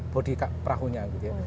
bodi prahunya gitu ya